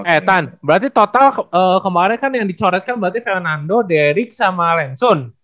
eh tan berarti total kemarin kan yang dicoretkan berarti fernando derick sama lensun